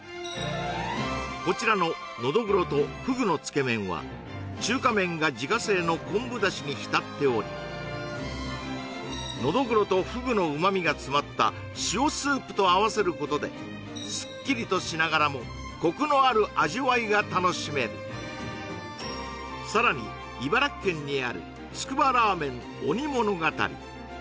こちらののどぐろとフグのつけ麺は中華麺が自家製の昆布出汁に浸っておりと合わせることでスッキリとしながらもコクのある味わいが楽しめるさらに茨城県にあるつくばラーメン鬼者語